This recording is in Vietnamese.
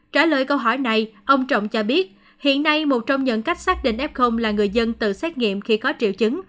trả lời câu hỏi này ông trọng cho biết hiện nay một trong những cách xác định f là người dân tự xét nghiệm khi có triệu chứng